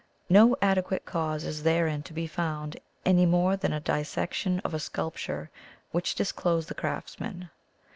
No adequate cause is therein to be found any more than a dissection of a sculpture will disclose the craftsman.